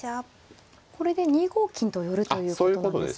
これで２五金と寄るということなんですか。